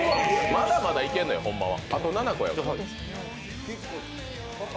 まだまだいけるのよ、ほんまは。